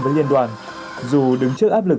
với liên đoàn dù đứng trước áp lực